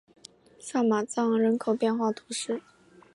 萨马藏人口变化图示